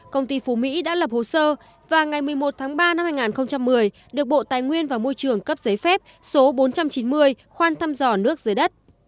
công ty phú mỹ đã lập hồ sơ và ngày một mươi một tháng ba năm hai nghìn một mươi được bộ tài nguyên và môi trường cấp giấy phép số bốn trăm chín mươi khoan thăm dò nước dưới đất